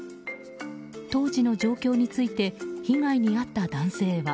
当時の状況について被害に遭った男性は。